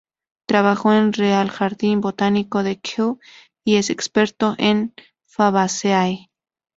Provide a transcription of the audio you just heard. Trabajó en el Real Jardín Botánico de Kew y es experto en Fabaceae.